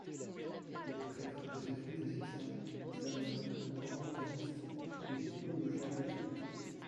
Il est prêtre jésuite égyptien, islamologue, orientaliste et théologien catholique.